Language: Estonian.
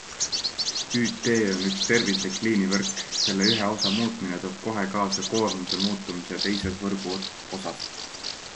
ÜT on üks terviklik liinivõrk, selle ühe osa muutmine toob kohe kaasa koormuse muutumise teises võrgu osas.